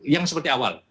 yang seperti awal